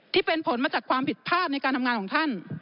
ที่เป็นผลมาจากความผิดพลาดในการทำงานของท่าน